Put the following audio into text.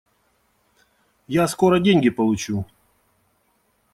Я скоро деньги получу.